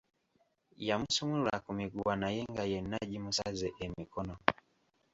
Yamusumulula ku miguwa naye nga yenna gimusaze emikono.